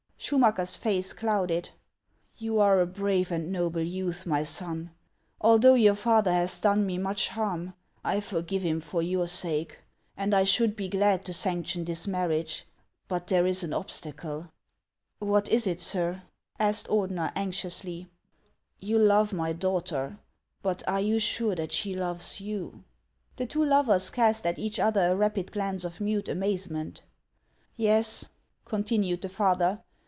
Schumacker's face clouded :" You are a brave and noble youth, my son. Although your father has done me much harm, I forgive him for your sake ; and I should be glad to sanction this marriage. But there is an obstacle —':" What is it, sir ?" asked Ordener, anxiously. "You love my daughter; but are you sure that she loves you ?" The two lovers cast at each other a rapid glance of mute amazement. " Yes," continued the father.